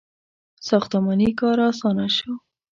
• ساختماني کار آسانه شو.